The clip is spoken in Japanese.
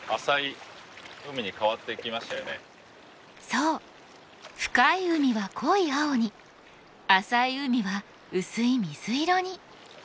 そう深い海は濃い青に浅い海は薄い水色に。